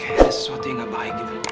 kayak ada sesuatu yang gak baik